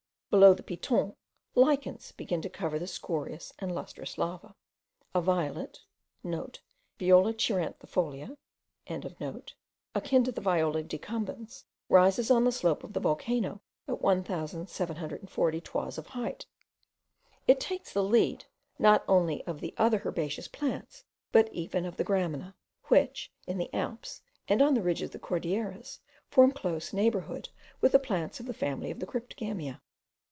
Below the Piton, lichens begin to cover the scorious and lustrous lava: a violet,* (* Viola cheiranthifolia.) akin to the Viola decumbens, rises on the slope of the volcano at 1740 toises of height; it takes the lead not only of the other herbaceous plants, but even of the gramina, which, in the Alps and on the ridge of the Cordilleras, form close neighbourhood with the plants of the family of the cryptogamia.